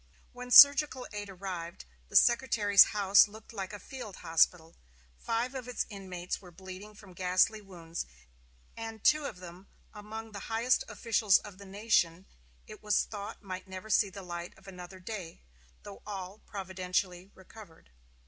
When surgical aid arrived, the Secretary's house looked like a field hospital. Five of its inmates were bleeding from ghastly wounds, and two of them, among the highest officials of the nation, it was thought might never see the light of another day; though all providentially recovered.